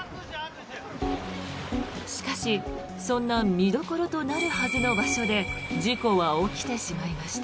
しかし、そんな見どころとなるはずの場所で事故は起きてしまいました。